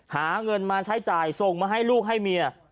หาเงินมาใช้จ่ายส่งมาให้ลูกให้เมีย